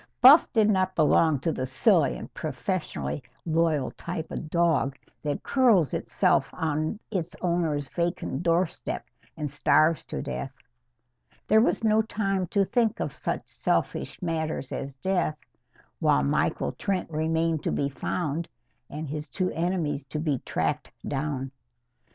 Buff did not belong to the silly and professionally loyal type of dog that curls itself on its owner's vacant doorstep and starves to death. There was no time to think of such selfish matters as death, while Michael Trent remained to be found and his two enemies to be tracked down.